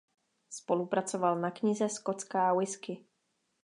Spolupracoval na knize "Skotská whisky".